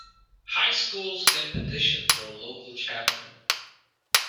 High schools can petition for a local chapter.